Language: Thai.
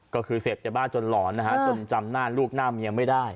ก็คือเสพยาบ้าจนหลอนนะฮะจนจำหน้าลูกหน้าเมียไม่ได้